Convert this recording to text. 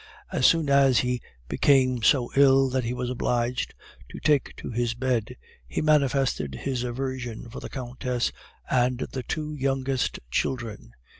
As soon as he became so ill that he was obliged to take to his bed, he manifested his aversion for the Countess and the two youngest children.